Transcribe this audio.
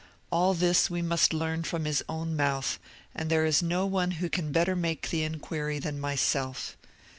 All this we must learn from his own mouth; and there is no one who can better make the inquiry than myself.